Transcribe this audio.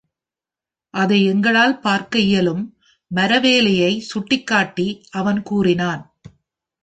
"அதை எங்களால் பார்க்க இயலும்," மரவேலையை சுட்டிக்காட்டி அவன் கூறினான்.